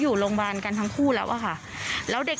อยู่โรงพยาบาลกันทั้งคู่บ้าง